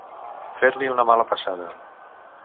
Fer-li una mala passada.